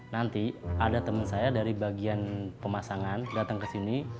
nanti ada teman saya dari bagian pemasangan datang ke sini